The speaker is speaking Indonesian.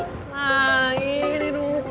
nah ini dulu